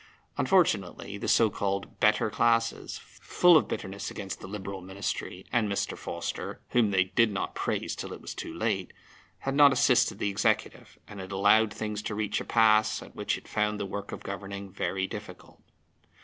Unfortunately, the so called "better classes," full of bitterness against the Liberal Ministry and Mr. Forster (whom they did not praise till it was too late), had not assisted the Executive, and had allowed things to reach a pass at which it found the work of governing very difficult.